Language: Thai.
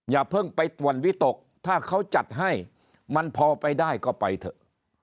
อย่าเพิ่งไปต่วนวิตกถ้าเขาจัดให้มันพอไปได้ก็ไปเถอะ